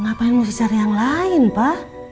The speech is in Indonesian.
ngapain mau cari yang lain pa